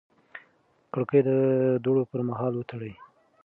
کړکۍ د دوړو پر مهال وتړئ.